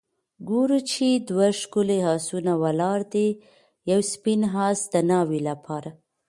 ګورو چې دوه ښکلي آسونه ولاړ دي ، یو سپین آس د ناوې لپاره